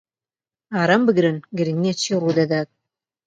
ئارام بگرن، گرنگ نییە چی ڕوودەدات.